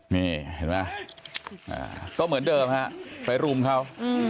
เห็นมั้ยก็เหมือนเดิมฮะไปรุมเขา